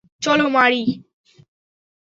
চলো, মারি।